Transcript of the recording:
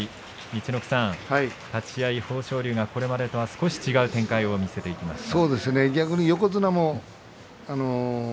陸奥さん、立ち合い豊昇龍がこれまでとは少し違う展開を見せました。